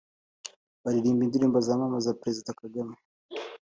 baririmba indirimbo zamamaza Perezida Paul Kagame